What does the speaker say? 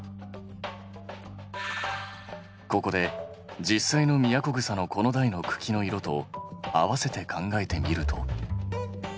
ここで実際のミヤコグサの子の代の茎の色と合わせて考えてみると。